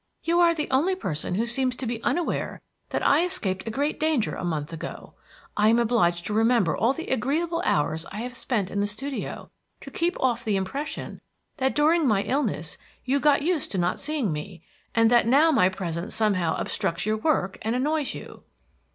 You are the only person who seems to be unaware that I escaped a great danger a month ago. I am obliged to remember all the agreeable hours I have spent in the studio to keep off the impression that during my illness you got used to not seeing me, and that now my presence somehow obstructs your work and annoys you."